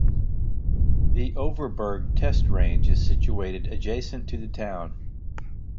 The Overberg Test Range is situated adjacent to the town.